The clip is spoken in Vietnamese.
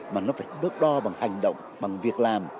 mà nó phải đước đo bằng hành động bằng việc làm